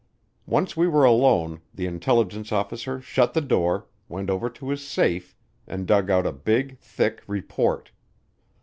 Once we were alone, the intelligence officer shut the door, went over to his safe, and dug out a big, thick report.